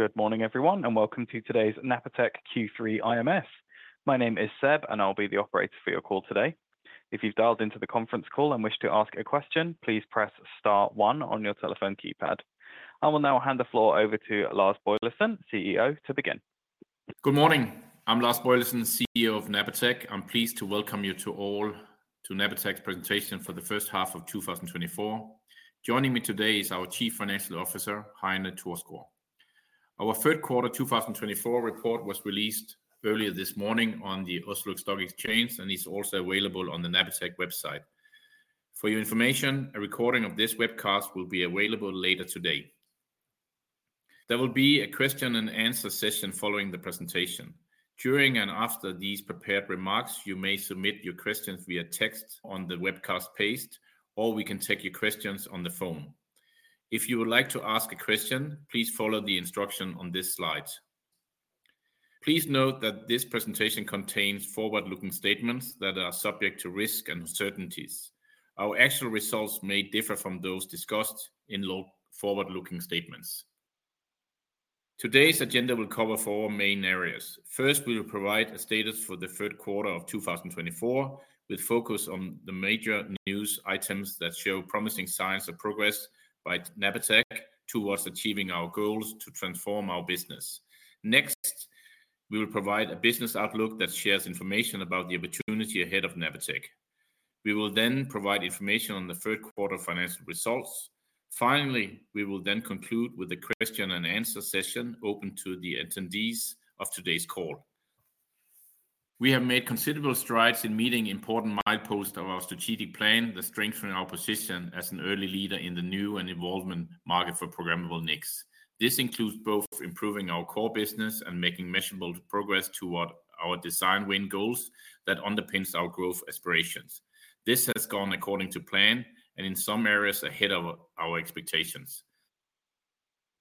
Good morning, everyone, and welcome to today's Napatech Q3 IMS. My name is Seb, and I'll be the operator for your call today. If you've dialed into the conference call and wish to ask a question, please press Star one on your telephone keypad. I will now hand the floor over to Lars Boilesen, CEO, to begin. Good morning. I'm Lars Boilesen, CEO of Napatech. I'm pleased to welcome you all to Napatech's presentation for the first half of 2024. Joining me today is our Chief Financial Officer, Heine Thorsgaard. Our third quarter 2024 report was released earlier this morning on the Oslo Stock Exchange, and it's also available on the Napatech website. For your information, a recording of this webcast will be available later today. There will be a question-and-answer session following the presentation. During and after these prepared remarks, you may submit your questions via text on the webcast page, or we can take your questions on the phone. If you would like to ask a question, please follow the instruction on this slide. Please note that this presentation contains forward-looking statements that are subject to risk and uncertainties. Our actual results may differ from those discussed in forward-looking statements. Today's agenda will cover four main areas. First, we will provide a status for the third quarter of 2024, with focus on the major news items that show promising signs of progress by Napatech towards achieving our goals to transform our business. Next, we will provide a business outlook that shares information about the opportunity ahead of Napatech. We will then provide information on the third quarter financial results. Finally, we will then conclude with a question-and-answer session open to the attendees of today's call. We have made considerable strides in meeting important milestones of our strategic plan that strengthen our position as an early leader in the new and evolving market for programmable NICs. This includes both improving our core business and making measurable progress toward our design win goals that underpin our growth aspirations. This has gone according to plan and in some areas ahead of our expectations.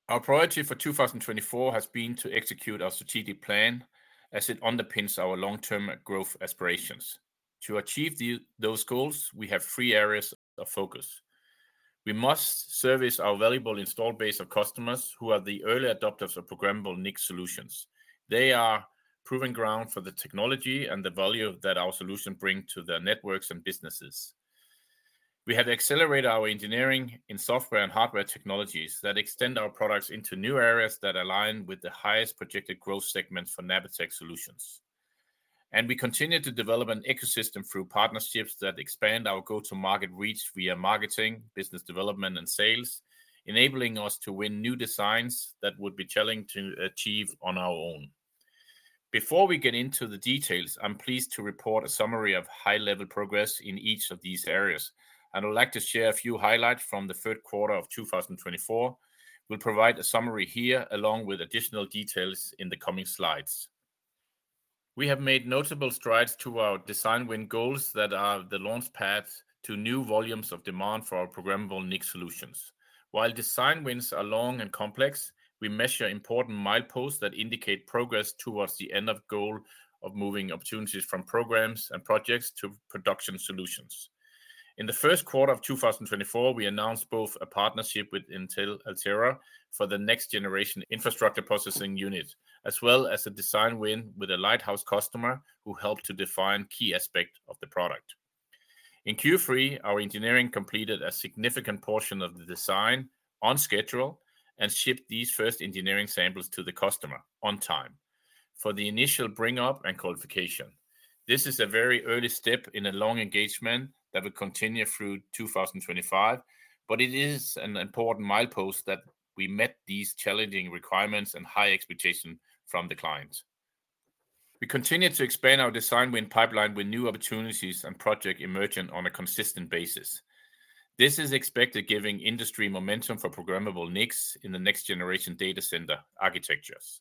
Our priority for 2024 has been to execute our strategic plan as it underpins our long-term growth aspirations. To achieve those goals, we have three areas of focus. We must service our valuable installed base of customers who are the early adopters of programmable NIC solutions. They are proving ground for the technology and the value that our solutions bring to their networks and businesses. We have accelerated our engineering in software and hardware technologies that extend our products into new areas that align with the highest projected growth segments for Napatech solutions, and we continue to develop an ecosystem through partnerships that expand our go-to-market reach via marketing, business development, and sales, enabling us to win new designs that would be challenging to achieve on our own. Before we get into the details, I'm pleased to report a summary of high-level progress in each of these areas, and I'd like to share a few highlights from the third quarter of 2024. We'll provide a summary here along with additional details in the coming slides. We have made notable strides toward design win goals that are the launchpad to new volumes of demand for our programmable NIC solutions. While design wins are long and complex, we measure important milestones that indicate progress towards the end of the goal of moving opportunities from programs and projects to production solutions. In the first quarter of 2024, we announced both a partnership with Altera for the next-generation infrastructure processing unit, as well as a design win with a lighthouse customer who helped to define a key aspect of the product. In Q3, our engineering completed a significant portion of the design on schedule and shipped these first engineering samples to the customer on time for the initial bring-up and qualification. This is a very early step in a long engagement that will continue through 2025, but it is an important milestone that we met these challenging requirements and high expectations from the client. We continue to expand our design win pipeline with new opportunities and projects emerging on a consistent basis. This is expected to give industry momentum for programmable NICs in the next-generation data center architectures.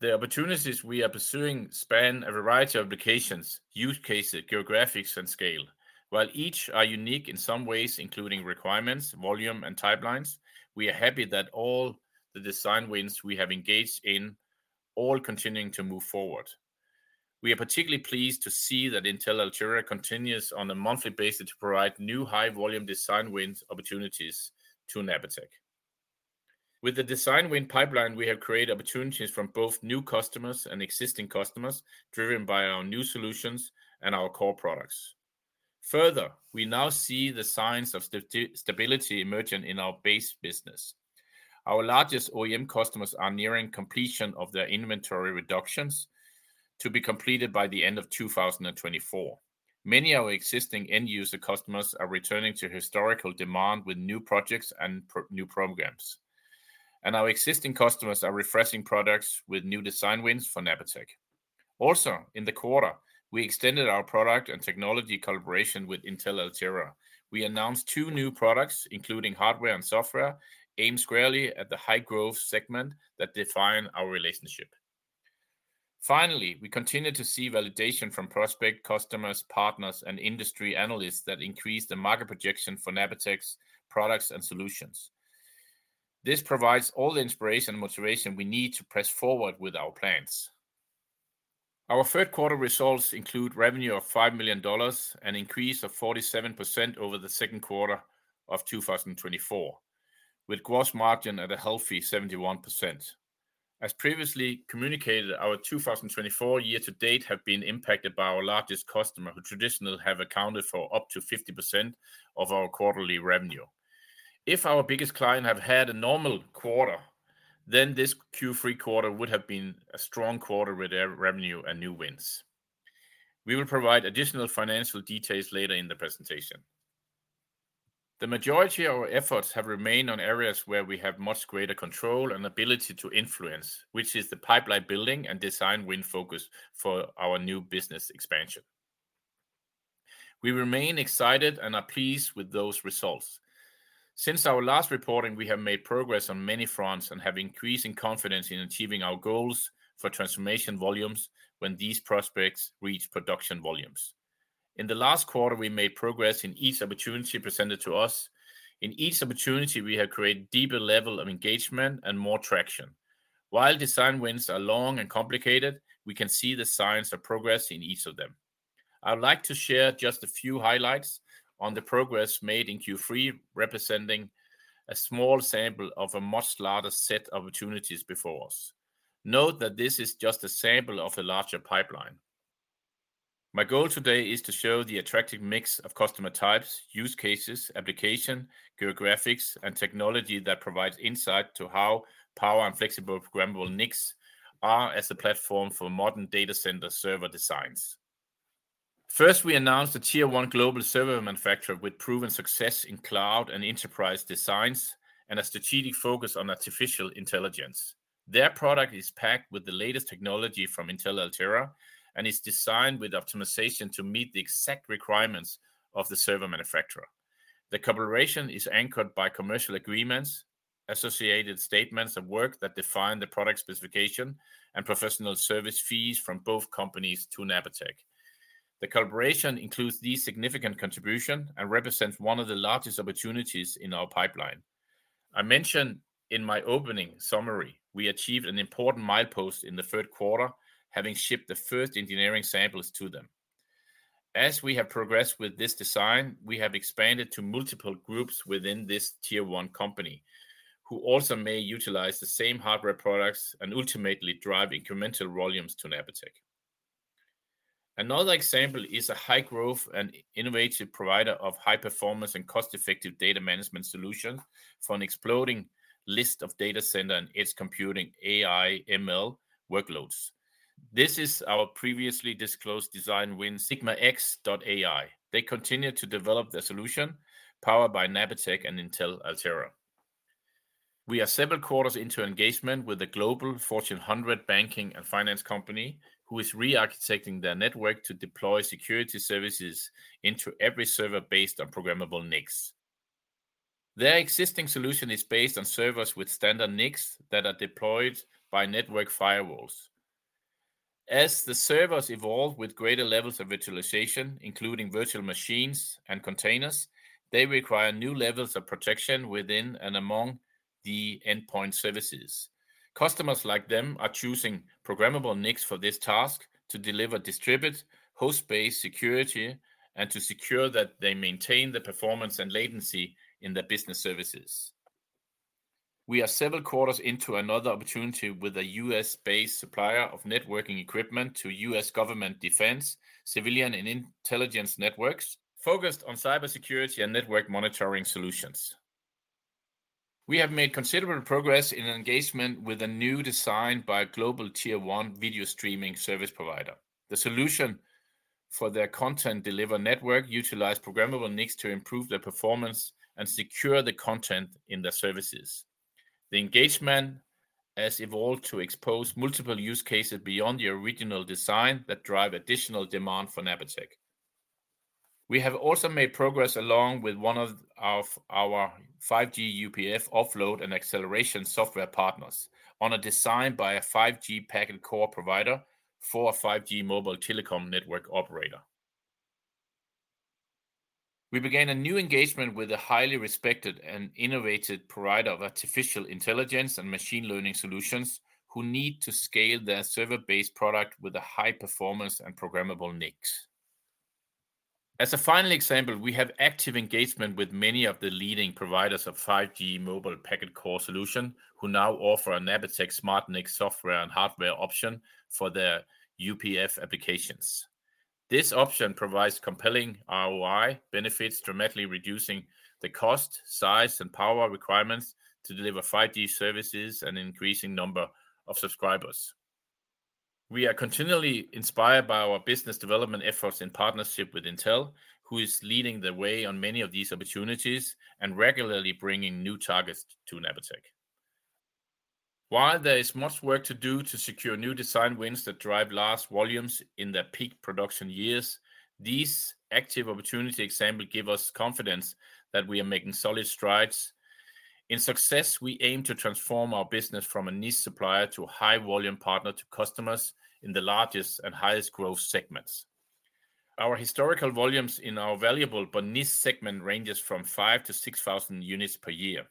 The opportunities we are pursuing span a variety of applications, use cases, geographies, and scale. While each is unique in some ways, including requirements, volume, and pipelines, we are happy that all the design wins we have engaged in are all continuing to move forward. We are particularly pleased to see that Intel Altera continues on a monthly basis to provide new high-volume design win opportunities to Napatech. With the design win pipeline, we have created opportunities for both new customers and existing customers driven by our new solutions and our core products. Further, we now see the signs of stability emerging in our base business. Our largest OEM customers are nearing completion of their inventory reductions to be completed by the end of 2024. Many of our existing end-user customers are returning to historical demand with new projects and new programs, and our existing customers are refreshing products with new design wins for Napatech. Also, in the quarter, we extended our product and technology collaboration with Intel Altera. We announced two new products, including hardware and software, aimed squarely at the high-growth segment that defines our relationship. Finally, we continue to see validation from prospective customers, partners, and industry analysts that increase the market projection for Napatech's products and solutions. This provides all the inspiration and motivation we need to press forward with our plans. Our third-quarter results include revenue of $5 million and an increase of 47% over the second quarter of 2024, with gross margin at a healthy 71%. As previously communicated, our 2024 year-to-date has been impacted by our largest customer, who traditionally has accounted for up to 50% of our quarterly revenue. If our biggest client had had a normal quarter, then this Q3 quarter would have been a strong quarter with revenue and new wins. We will provide additional financial details later in the presentation. The majority of our efforts have remained on areas where we have much greater control and ability to influence, which is the pipeline building and design win focus for our new business expansion. We remain excited and are pleased with those results. Since our last reporting, we have made progress on many fronts and have increasing confidence in achieving our goals for transformation volumes when these prospects reach production volumes. In the last quarter, we made progress in each opportunity presented to us. In each opportunity, we have created a deeper level of engagement and more traction. While design wins are long and complicated, we can see the signs of progress in each of them. I would like to share just a few highlights on the progress made in Q3, representing a small sample of a much larger set of opportunities before us. Note that this is just a sample of a larger pipeline. My goal today is to show the attractive mix of customer types, use cases, applications, geographies, and technology that provides insight into how powerful and flexible programmable NICs are as a platform for modern data center server designs. First, we announced a Tier-1 global server manufacturer with proven success in cloud and enterprise designs and a strategic focus on artificial intelligence. Their product is packed with the latest technology from Intel Altera and is designed with optimization to meet the exact requirements of the server manufacturer. The collaboration is anchored by commercial agreements, associated statements, and work that define the product specification and professional service fees from both companies to Napatech. The collaboration includes this significant contribution and represents one of the largest opportunities in our pipeline. I mentioned in my opening summary we achieved an important milestone in the third quarter, having shipped the first engineering samples to them. As we have progressed with this design, we have expanded to multiple groups within this Tier-1 company, who also may utilize the same hardware products and ultimately drive incremental volumes to Napatech. Another example is a high-growth and innovative provider of high-performance and cost-effective data management solutions for an exploding list of data center and edge computing AI/ML workloads. This is our previously disclosed design win SigmaX.ai. They continue to develop their solution powered by Napatech and Intel Altera. We are several quarters into engagement with a global Fortune 100 banking and finance company who is re-architecting their network to deploy security services into every server based on programmable NICs. Their existing solution is based on servers with standard NICs that are deployed by network firewalls. As the servers evolve with greater levels of virtualization, including virtual machines and containers, they require new levels of protection within and among the endpoint services. Customers like them are choosing programmable NICs for this task to deliver distributed host-based security and to secure that they maintain the performance and latency in their business services. We are several quarters into another opportunity with a U.S.-based supplier of networking equipment to U.S. government defense, civilian, and intelligence networks focused on cybersecurity and network monitoring solutions. We have made considerable progress in engagement with a new design by a global tier-one video streaming service provider. The solution for their content delivery network utilizes programmable NICs to improve their performance and secure the content in their services. The engagement has evolved to expose multiple use cases beyond the original design that drive additional demand for Napatech. We have also made progress along with one of our 5G UPF offload and acceleration software partners on a design by a 5G packet core provider for a 5G mobile telecom network operator. We began a new engagement with a highly respected and innovative provider of artificial intelligence and machine learning solutions who need to scale their server-based product with a high-performance and programmable NICs. As a final example, we have active engagement with many of the leading providers of 5G mobile packet core solutions who now offer a Napatech SmartNIC software and hardware option for their UPF applications. This option provides compelling ROI benefits, dramatically reducing the cost, size, and power requirements to deliver 5G services and an increasing number of subscribers. We are continually inspired by our business development efforts in partnership with Intel, who is leading the way on many of these opportunities and regularly bringing new targets to Napatech. While there is much work to do to secure new design wins that drive large volumes in their peak production years, these active opportunity examples give us confidence that we are making solid strides. In success, we aim to transform our business from a niche supplier to a high-volume partner to customers in the largest and highest growth segments. Our historical volumes in our valuable but niche segment range from 5,000 to 6,000 units per year.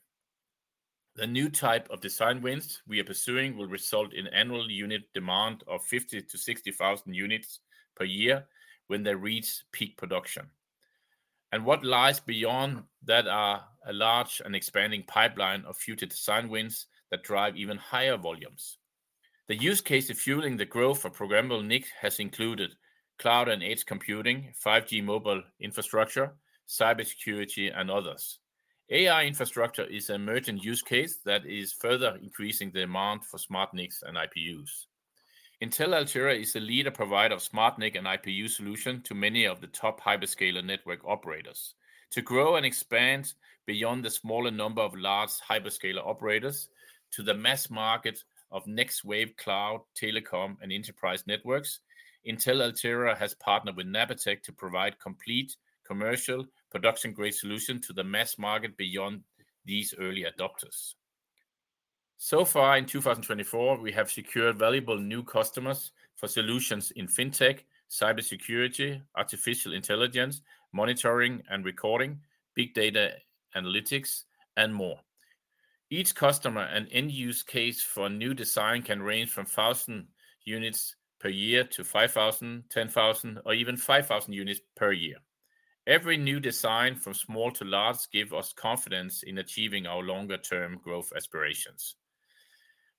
The new type of design wins we are pursuing will result in annual unit demand of 50,000 to 60,000 units per year when they reach peak production. What lies beyond that is a large and expanding pipeline of future design wins that drive even higher volumes. The use case of fueling the growth of programmable NICs has included cloud and edge computing, 5G mobile infrastructure, cybersecurity, and others. AI infrastructure is an emerging use case that is further increasing the demand for SmartNICs and IPUs. Intel Altera is a leading provider of SmartNIC and IPU solutions to many of the top hyperscaler network operators. To grow and expand beyond the smaller number of large hyperscaler operators to the mass market of next-wave cloud, telecom, and enterprise networks, Intel Altera has partnered with Napatech to provide complete commercial production-grade solutions to the mass market beyond these early adopters. So far in 2024, we have secured valuable new customers for solutions in fintech, cybersecurity, artificial intelligence, monitoring and recording, big data analytics, and more. Each customer and end-use case for a new design can range from 1,000 units per year to 5,000, 10,000, or even 5,000 units per year. Every new design, from small to large, gives us confidence in achieving our longer-term growth aspirations.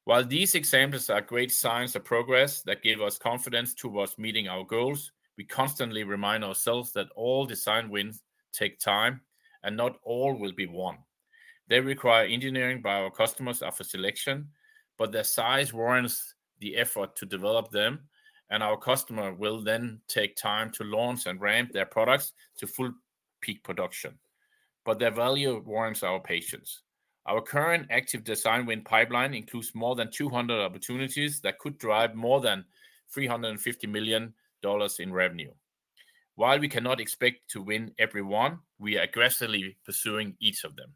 While these examples are great signs of progress that give us confidence towards meeting our goals, we constantly remind ourselves that all design wins take time, and not all will be won. They require engineering by our customers for selection, but their size warrants the effort to develop them, and our customers will then take time to launch and ramp their products to full peak production. But their value warrants our patience. Our current active design win pipeline includes more than 200 opportunities that could drive more than $350 million in revenue. While we cannot expect to win every one, we are aggressively pursuing each of them.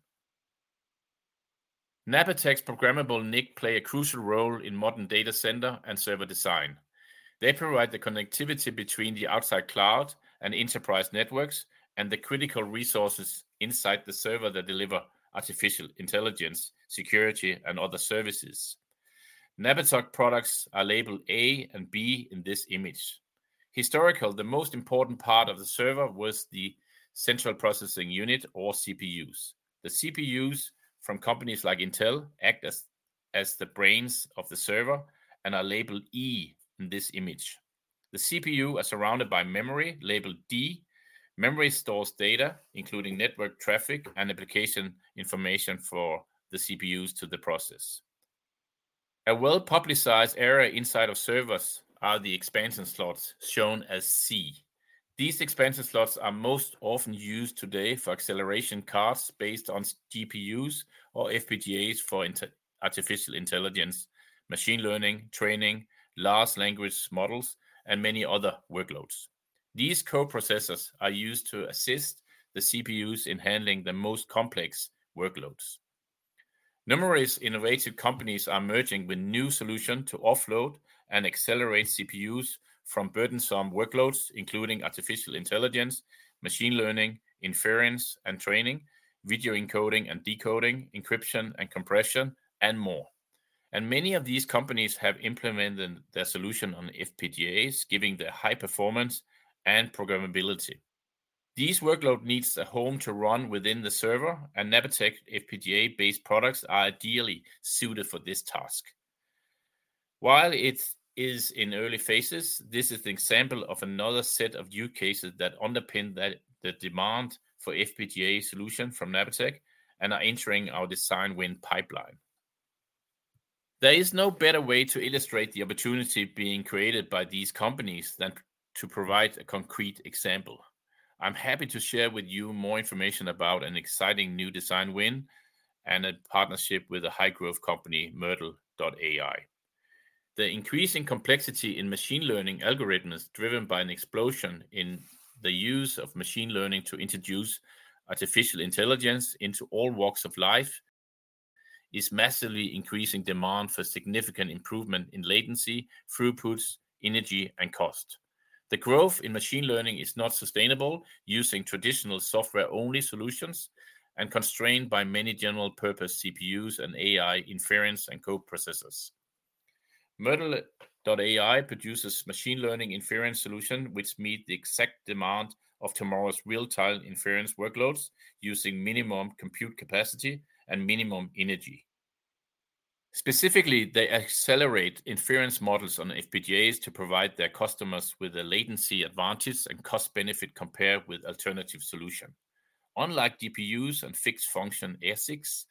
Napatech's programmable NICs play a crucial role in modern data center and server design. They provide the connectivity between the outside cloud and enterprise networks and the critical resources inside the server that deliver artificial intelligence, security, and other services. Napatech products are labeled A and B in this image. Historically, the most important part of the server was the central processing unit, or CPUs. The CPUs from companies like Intel act as the brains of the server and are labeled E in this image. The CPUs are surrounded by memory, labeled D. Memory stores data, including network traffic and application information for the CPUs to process. A well-publicized area inside of servers are the expansion slots shown as C. These expansion slots are most often used today for acceleration cards based on GPUs or FPGAs for artificial intelligence, machine learning, training, large language models, and many other workloads. These co-processors are used to assist the CPUs in handling the most complex workloads. Numerous innovative companies are merging with new solutions to offload and accelerate CPUs from burdensome workloads, including artificial intelligence, machine learning, inference and training, video encoding and decoding, encryption and compression, and more. And many of these companies have implemented their solutions on FPGAs, giving them high performance and programmability. These workloads need a home to run within the server, and Napatech FPGA-based products are ideally suited for this task. While it is in early phases, this is an example of another set of use cases that underpin the demand for FPGA solutions from Napatech and are entering our design win pipeline. There is no better way to illustrate the opportunity being created by these companies than to provide a concrete example. I'm happy to share with you more information about an exciting new design win and a partnership with a high-growth company, Myrtle.ai. The increasing complexity in machine learning algorithms driven by an explosion in the use of machine learning to introduce artificial intelligence into all walks of life is massively increasing demand for significant improvement in latency, throughput, energy, and cost. The growth in machine learning is not sustainable using traditional software-only solutions and constrained by many general-purpose CPUs and AI inference and co-processors. Myrtle.ai produces machine learning inference solutions which meet the exact demand of tomorrow's real-time inference workloads using minimum compute capacity and minimum energy. Specifically, they accelerate inference models on FPGAs to provide their customers with a latency advantage and cost-benefit compared with alternative solutions. Unlike GPUs and fixed-function ASICs,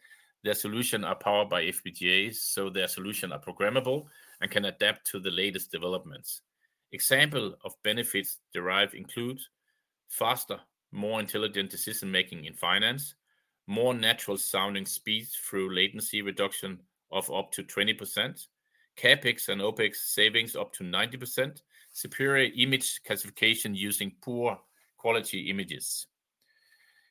their solutions are powered by FPGAs, so their solutions are programmable and can adapt to the latest developments. Examples of benefits derived include faster, more intelligent decision-making in finance, more natural-sounding speeds through latency reduction of up to 20%, CapEx and OPEX savings up to 90%, and superior image classification using poor-quality images.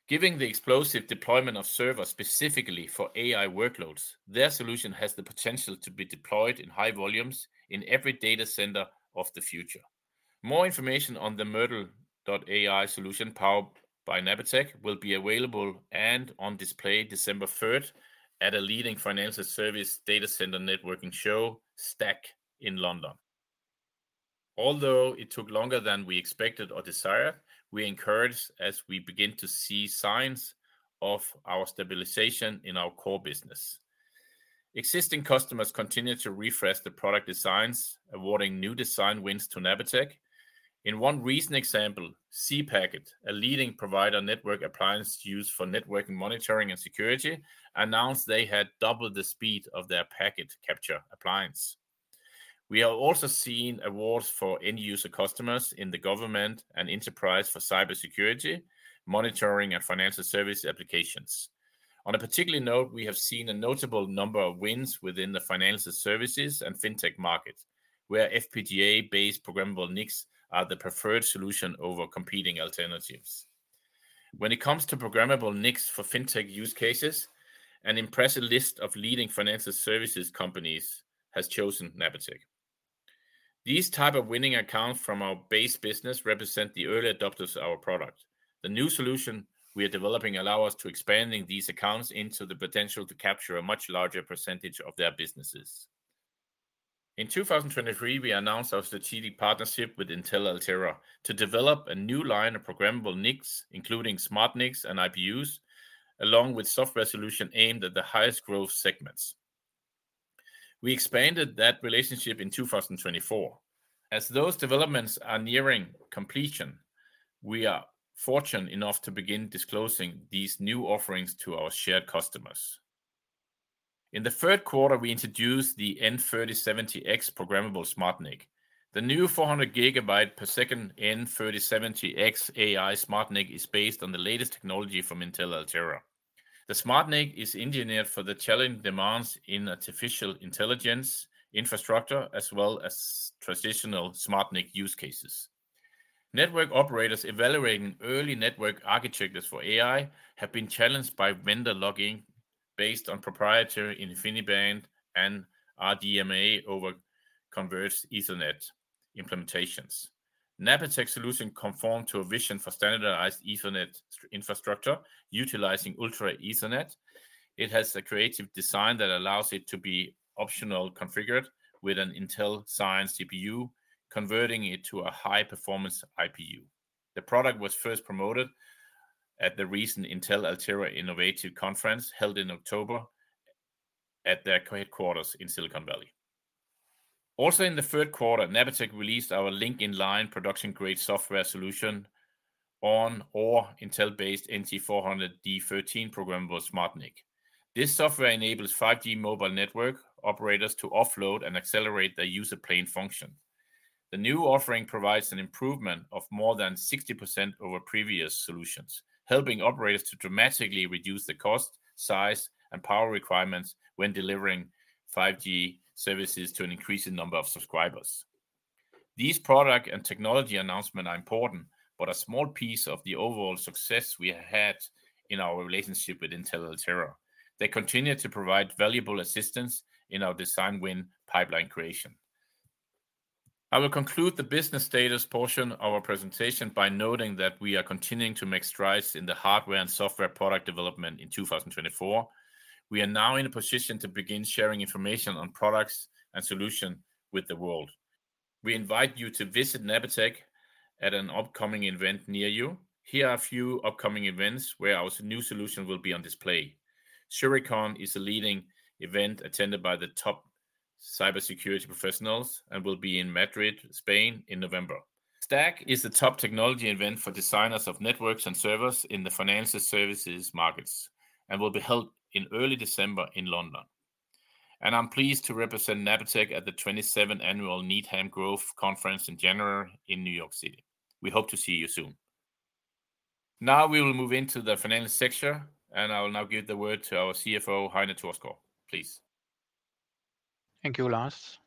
Given the explosive deployment of servers specifically for AI workloads, their solution has the potential to be deployed in high volumes in every data center of the future. More information on the Myrtle.ai solution powered by Napatech will be available and on display December 3 at a leading financial services data center networking show, STAC, in London. Although it took longer than we expected or desired, we are encouraged as we begin to see signs of our stabilization in our core business. Existing customers continue to refresh the product designs, awarding new design wins to Napatech. In one recent example, cPacket, a leading provider of network appliances used for network monitoring and security, announced they had doubled the speed of their packet capture appliance. We have also seen awards for end-user customers in the government and enterprise for cybersecurity, monitoring, and financial service applications. On a particular note, we have seen a notable number of wins within the financial services and fintech market, where FPGA-based programmable NICs are the preferred solution over competing alternatives. When it comes to programmable NICs for fintech use cases, an impressive list of leading financial services companies has chosen Napatech. These types of winning accounts from our base business represent the early adopters of our product. The new solutions we are developing allow us to expand these accounts into the potential to capture a much larger percentage of their businesses. In 2023, we announced our strategic partnership with Intel Altera to develop a new line of programmable NICs, including SmartNICs and IPUs, along with software solutions aimed at the highest growth segments. We expanded that relationship in 2024. As those developments are nearing completion, we are fortunate enough to begin disclosing these new offerings to our shared customers. In the third quarter, we introduced the F2070X programmable SmartNIC. The new 400-gigabit-per-second F2070X AI SmartNIC is based on the latest technology from Intel Altera. The SmartNIC is engineered for the challenging demands in artificial intelligence infrastructure, as well as traditional SmartNIC use cases. Network operators evaluating early network architectures for AI have been challenged by vendor lobbying based on proprietary InfiniBand and RDMA over Converged Ethernet implementations. Napatech's solution conforms to a vision for standardized Ethernet infrastructure utilizing Ultra Ethernet. It has a creative design that allows it to be optionally configured with an Intel Agilex FPGA, converting it to a high-performance IPU. The product was first promoted at the recent Intel Altera Innovative Conference held in October at their headquarters in Silicon Valley. Also, in the third quarter, Napatech released our Link Inline production-grade software solution on our Intel-based NT400D13 programmable SmartNIC. This software enables 5G mobile network operators to offload and accelerate their user plane functions. The new offering provides an improvement of more than 60% over previous solutions, helping operators to dramatically reduce the cost, size, and power requirements when delivering 5G services to an increasing number of subscribers. These product and technology announcements are important but are a small piece of the overall success we had in our relationship with Intel Altera. They continue to provide valuable assistance in our design win pipeline creation. I will conclude the business status portion of our presentation by noting that we are continuing to make strides in the hardware and software product development in 2024. We are now in a position to begin sharing information on products and solutions with the world. We invite you to visit Napatech at an upcoming event near you. Here are a few upcoming events where our new solution will be on display. SuriCon is a leading event attended by the top cybersecurity professionals and will be in Madrid, Spain, in November. STAC is the top technology event for designers of networks and servers in the financial services markets and will be held in early December in London. And I'm pleased to represent Napatech at the 27th Annual Needham Growth Conference in January in New York City. We hope to see you soon. Now we will move into the financial sector, and I will now give the word to our CFO, Heine Thorsgaard, please. Thank you, Lars.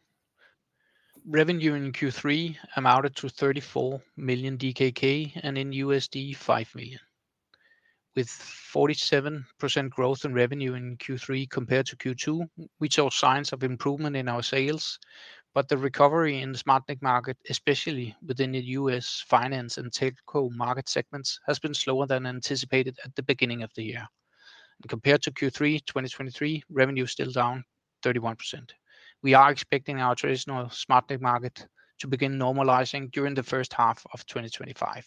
Revenue in Q3 amounted to 34 million DKK and in USD $5 million. With 47% growth in revenue in Q3 compared to Q2, we saw signs of improvement in our sales, but the recovery in the SmartNIC market, especially within the U.S. finance and telco market segments, has been slower than anticipated at the beginning of the year. Compared to Q3 2023, revenue is still down 31%. We are expecting our traditional SmartNIC market to begin normalizing during the first half of 2025.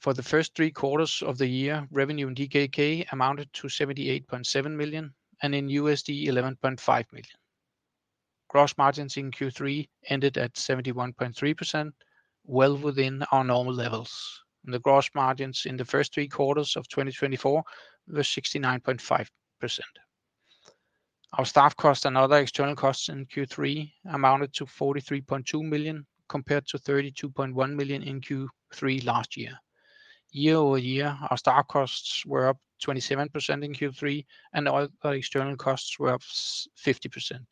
For the first three quarters of the year, revenue in DKK amounted to 78.7 million and in USD, $11.5 million. Gross margins in Q3 ended at 71.3%, well within our normal levels. The gross margins in the first three quarters of 2024 were 69.5%. Our staff costs and other external costs in Q3 amounted to 43.2 million compared to 32.1 million in Q3 last year. Year over year, our staff costs were up 27% in Q3, and our external costs were up 50%.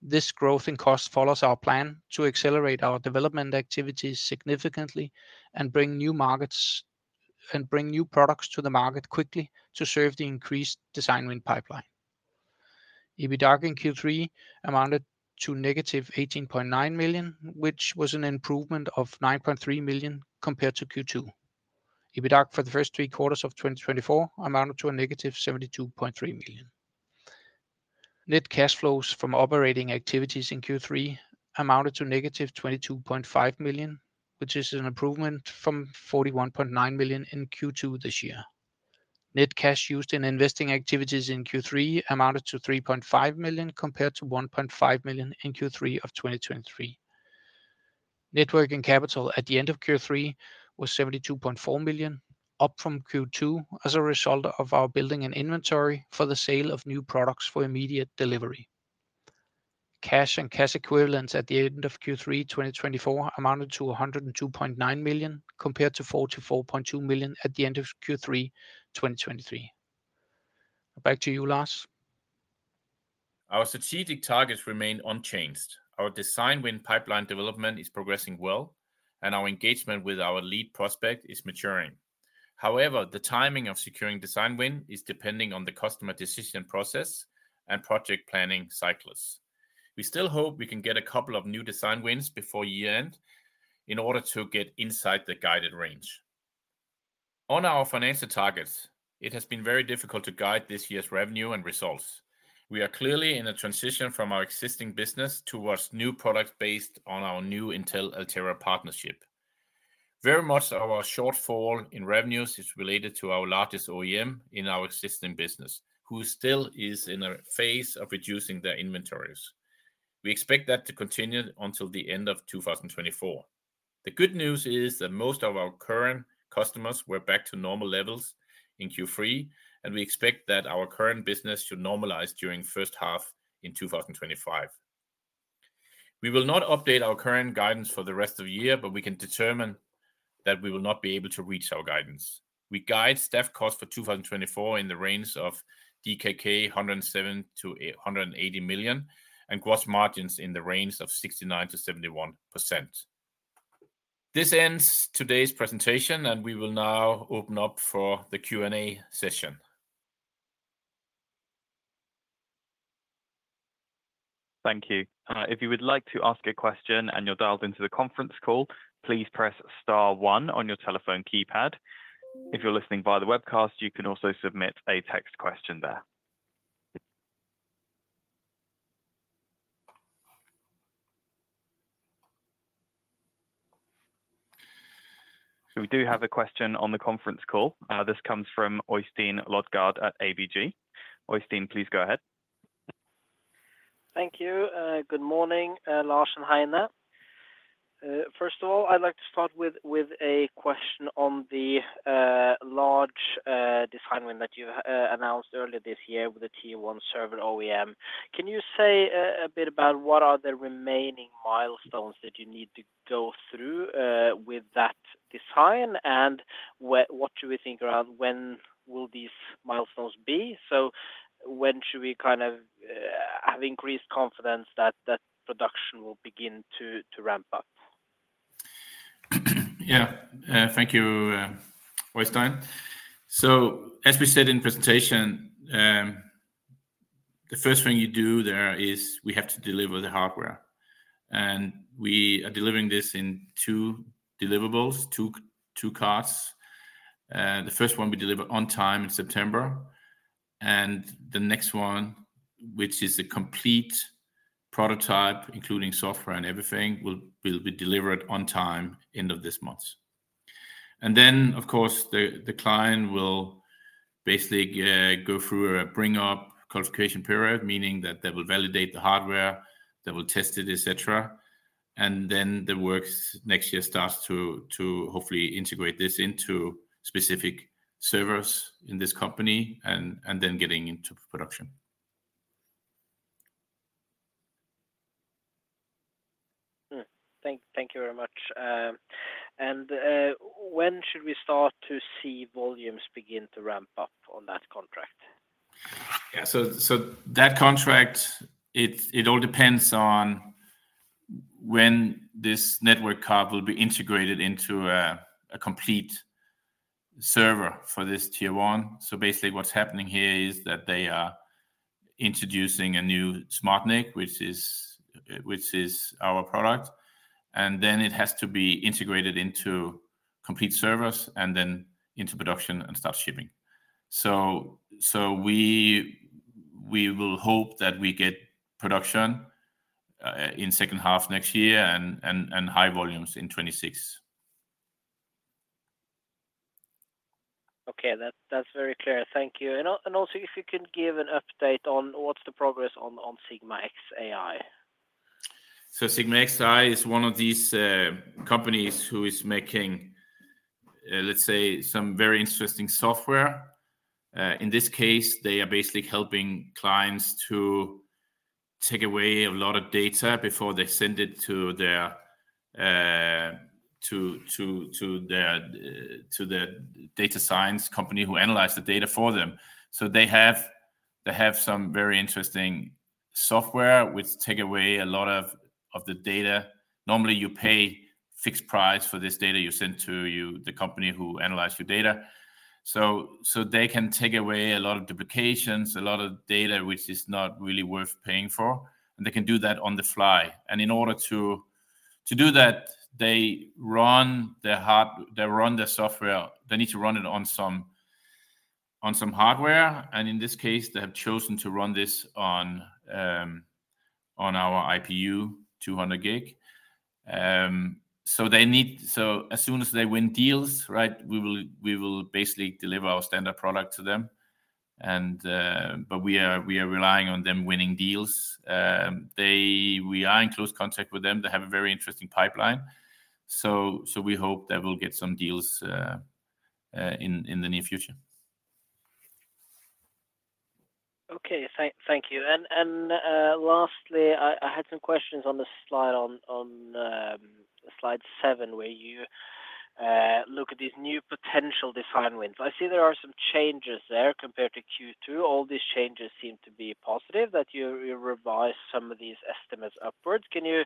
This growth in costs follows our plan to accelerate our development activities significantly and bring new markets and bring new products to the market quickly to serve the increased design win pipeline. EBITDA in Q3 amounted to negative 18.9 million, which was an improvement of 9.3 million compared to Q2. EBITDA for the first three quarters of 2024 amounted to negative 72.3 million. Net cash flows from operating activities in Q3 amounted to negative 22.5 million, which is an improvement from 41.9 million in Q2 this year. Net cash used in investing activities in Q3 amounted to 3.5 million compared to 1.5 million in Q3 of 2023. Net working capital at the end of Q3 was 72.4 million, up from Q2 as a result of our build-up in inventory for the sale of new products for immediate delivery. Cash and cash equivalents at the end of Q3 2024 amounted to 102.9 million compared to 44.2 million at the end of Q3 2023. Back to you, Lars. Our strategic targets remain unchanged. Our design win pipeline development is progressing well, and our engagement with our lead prospect is maturing. However, the timing of securing design win is depending on the customer decision process and project planning cycles. We still hope we can get a couple of new design wins before year-end in order to get inside the guided range. On our financial targets, it has been very difficult to guide this year's revenue and results. We are clearly in a transition from our existing business towards new products based on our new Intel Altera partnership. Very much of our shortfall in revenues is related to our largest OEM in our existing business, who still is in a phase of reducing their inventories. We expect that to continue until the end of 2024. The good news is that most of our current customers were back to normal levels in Q3, and we expect that our current business should normalize during the first half in 2025. We will not update our current guidance for the rest of the year, but we can determine that we will not be able to reach our guidance. We guide staff costs for 2024 in the range of DKK 170-180 million and gross margins in the range of 69%-71%. This ends today's presentation, and we will now open up for the Q&A session. Thank you. If you would like to ask a question and you're dialed into the conference call, please press star one on your telephone keypad. If you're listening via the webcast, you can also submit a text question there. So we do have a question on the conference call. This comes from Øystein Lodgard at ABG. Øystein, please go ahead. Thank you. Good morning, Lars and Heine. First of all, I'd like to start with a question on the large design win that you announced earlier this year with the Tier 1 server OEM. Can you say a bit about what are the remaining milestones that you need to go through with that design, and what do we think around when will these milestones be? So when should we kind of have increased confidence that production will begin to ramp up? Yeah, thank you, Øystein. So as we said in the presentation, the first thing you do there is we have to deliver the hardware. And we are delivering this in two deliverables, two carts. The first one we deliver on time in September, and the next one, which is a complete prototype including software and everything, will be delivered on time at the end of this month. And then, of course, the client will basically go through a bring-up qualification period, meaning that they will validate the hardware, they will test it, etc. And then the work next year starts to hopefully integrate this into specific servers in this company and then getting into production. Thank you very much. And when should we start to see volumes begin to ramp up on that contract? Yeah, so that contract, it all depends on when this network card will be integrated into a complete server for this Tier-1. So basically, what's happening here is that they are introducing a new SmartNIC, which is our product, and then it has to be integrated into complete servers and then into production and start shipping. So we will hope that we get production in the second half next year and high volumes in 2026. Okay, that's very clear. Thank you. And also, if you can give an update on what's the progress on SigmaX.ai. So SigmaX.ai is one of these companies who is making, let's say, some very interesting software. In this case, they are basically helping clients to take away a lot of data before they send it to their data science company who analyzes the data for them. So they have some very interesting software which takes away a lot of the data. Normally, you pay a fixed price for this data you send to the company who analyzes your data. So they can take away a lot of duplications, a lot of data which is not really worth paying for, and they can do that on the fly. And in order to do that, they run their software. They need to run it on some hardware. In this case, they have chosen to run this on our IPU, 200 gig. As soon as they win deals, right, we will basically deliver our standard product to them. We are relying on them winning deals. We are in close contact with them. They have a very interesting pipeline. We hope they will get some deals in the near future. Okay, thank you. Lastly, I had some questions on the slide 7 where you look at these new potential design wins. I see there are some changes there compared to Q2. All these changes seem to be positive, that you revised some of these estimates upwards. Can you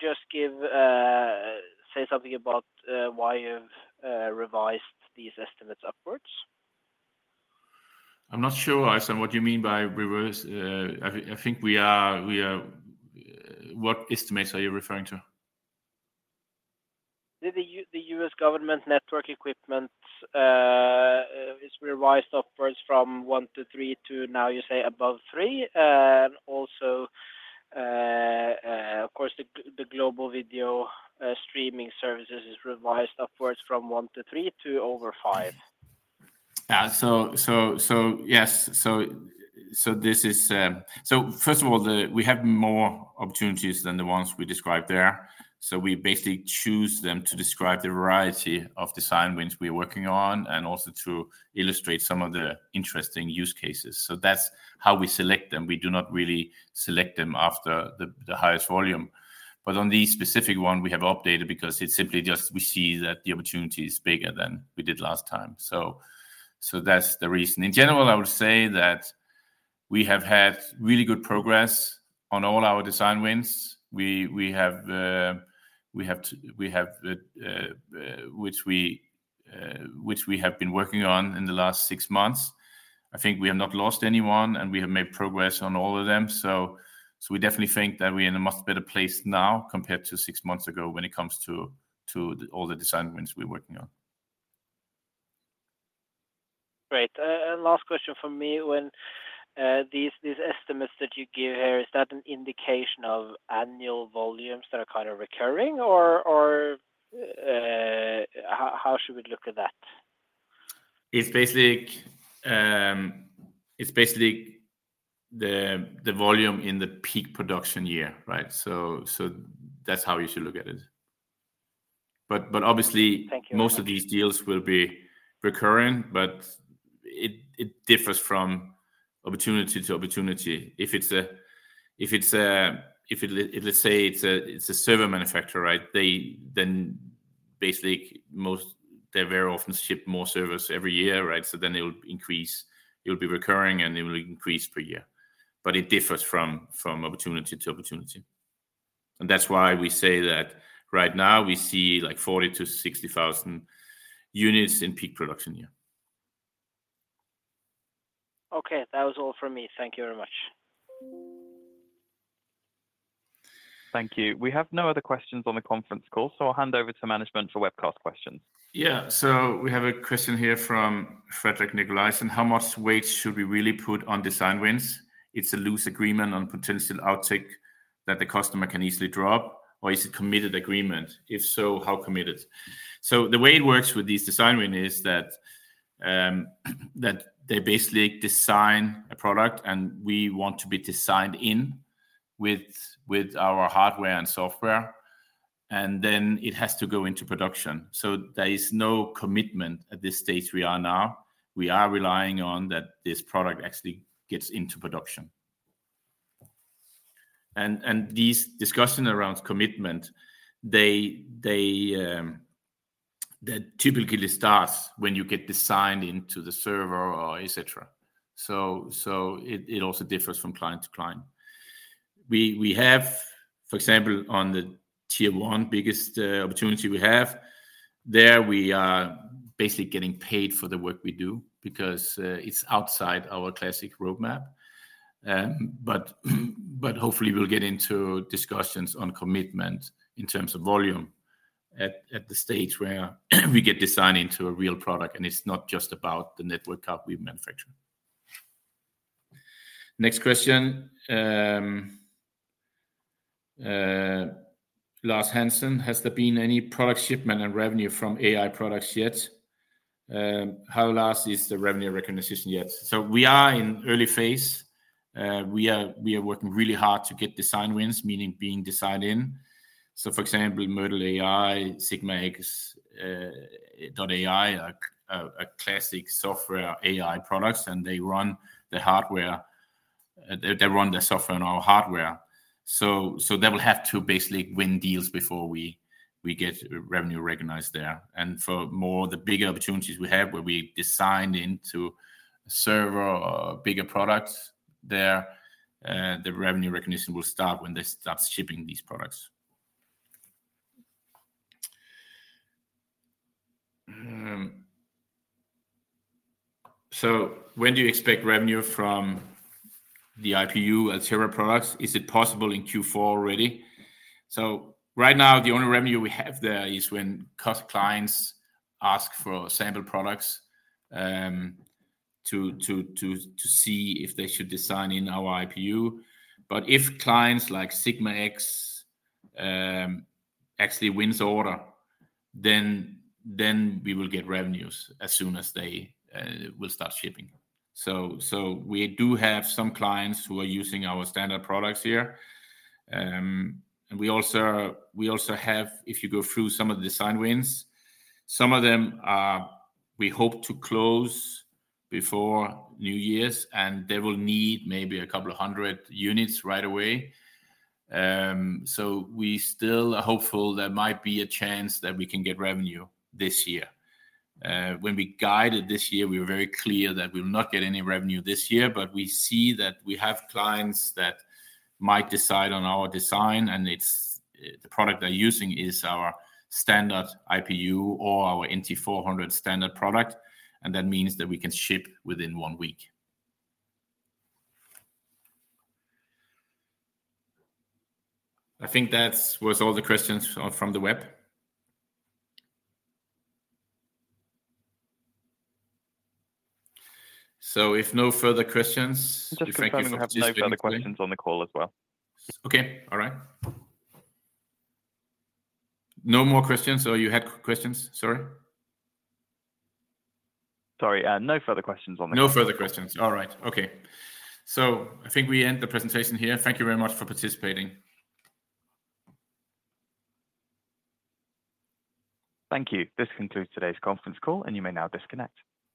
just say something about why you've revised these estimates upwards? I'm not sure, Lars, on what you mean by revised. I think we are—what estimates are you referring to? The U.S. government network equipment is revised upwards from one to three to now you say above three, and also, of course, the global video streaming services is revised upwards from one to three to over five. Yeah, so yes, so this is, so first of all, we have more opportunities than the ones we described there, so we basically choose them to describe the variety of design wins we are working on and also to illustrate some of the interesting use cases, so that's how we select them. We do not really select them after the highest volume, but on these specific ones, we have updated because it's simply just we see that the opportunity is bigger than we did last time, so that's the reason. In general, I would say that we have had really good progress on all our design wins. We have which we have been working on in the last six months. I think we have not lost anyone, and we have made progress on all of them. So we definitely think that we are in a much better place now compared to six months ago when it comes to all the design wins we're working on. Great. And last question for me, when these estimates that you give here, is that an indication of annual volumes that are kind of recurring, or how should we look at that? It's basically the volume in the peak production year, right? So that's how you should look at it. But obviously, most of these deals will be recurring, but it differs from opportunity to opportunity. If it's a, let's say, it's a server manufacturer, right, then basically they very often ship more servers every year, right? So then it will increase. It will be recurring, and it will increase per year. But it differs from opportunity to opportunity, and that's why we say that right now we see like 40,000-60,000 units in peak production year. Okay, that was all from me. Thank you very much. Thank you. We have no other questions on the conference call, so I'll hand over to management for webcast questions. Yeah, so we have a question here from Frederick Nicholas. And how much weight should we really put on design wins? It's a loose agreement on potential uptake that the customer can easily drop, or is it a committed agreement? If so, how committed? So the way it works with these design wins is that they basically design a product, and we want to be designed in with our hardware and software, and then it has to go into production. So there is no commitment at this stage we are now. We are relying on that this product actually gets into production. And these discussions around commitment, they typically start when you get designed into the server, etc. So it also differs from client to client. We have, for example, on the Tier-1 biggest opportunity we have, there we are basically getting paid for the work we do because it's outside our classic roadmap. But hopefully, we'll get into discussions on commitment in terms of volume at the stage where we get designed into a real product, and it's not just about the network card we manufacture. Next question. Lars Hansen, has there been any product shipment and revenue from AI products yet? How large is the revenue recognition yet? So we are in early phase. We are working really hard to get design wins, meaning being designed in. So for example, Myrtle.ai, SigmaX.ai are classic software AI products, and they run the hardware. They run the software on our hardware. So they will have to basically win deals before we get revenue recognized there. And for more of the bigger opportunities we have where we design into a server or a bigger product there, the revenue recognition will start when they start shipping these products. So when do you expect revenue from the IPU Altera products? Is it possible in Q4 already? So, right now, the only revenue we have there is when customer clients ask for sample products to see if they should design in our IPU. But if clients like SigmaX actually win the order, then we will get revenues as soon as they will start shipping. So we do have some clients who are using our standard products here. And we also have, if you go through some of the design wins, some of them we hope to close before New Year's, and they will need maybe a couple of hundred units right away. So we still are hopeful there might be a chance that we can get revenue this year. When we guided this year, we were very clear that we will not get any revenue this year, but we see that we have clients that might decide on our design, and the product they're using is our standard IPU or our NT400 standard product, and that means that we can ship within one week. I think that was all the questions from the web. So if no further questions... If I can just leave the questions on the call as well. Okay, all right. No more questions? Or you had questions? Sorry. Sorry, no further questions on the call. No further questions. All right. Okay. So I think we end the presentation here. Thank you very much for participating. Thank you. This concludes today's conference call, and you may now disconnect.